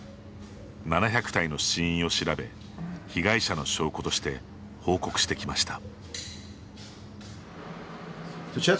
７００体の死因を調べ被害者の証拠として報告してきました。